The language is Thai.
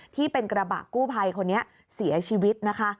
ที่เป็นกระบะกู้ภัยคนนี้เสียชีวิตนะคะ